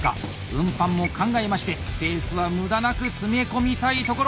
運搬も考えましてスペースは無駄なく詰め込みたいところ。